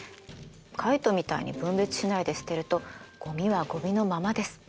カイトみたいに分別しないで捨てるとごみはごみのままです。